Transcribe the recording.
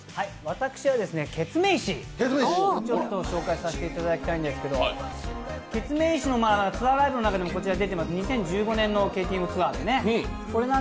私はケツメイシを紹介させていただきたいんですけどケツメイシのツアーライブの中でも「２０１５年のＫＴＭＴＯＵＲ」ですね。